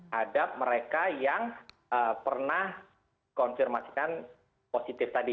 hadap mereka yang pernah konfirmasikan positif tadi